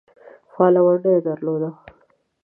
فعاله ونډه درلوده.